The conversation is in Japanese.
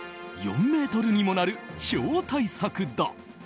４ｍにもなる超大作だ。